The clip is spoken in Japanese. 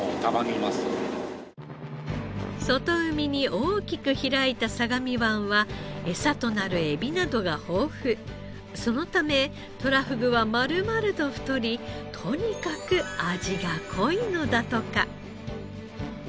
外海に大きく開いた相模湾はエサとなるそのためとらふぐは丸々と太りとにかく味が濃いのだとか。